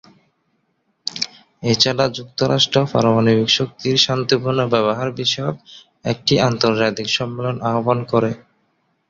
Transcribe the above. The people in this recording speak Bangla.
এছাড়া যুক্তরাষ্ট্র পারমাণবিক শক্তির শান্তিপূর্ণ ব্যবহার বিষয়ক একটি আন্তর্জাতিক সম্মেলন আহবান করে।